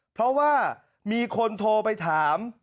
เพราะว่ามีคนโทรไปถาม